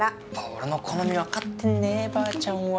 俺の好み分かってんねばあちゃんは。